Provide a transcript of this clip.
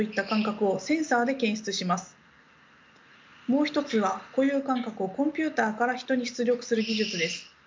もう一つは固有感覚をコンピューターから人に出力する技術です。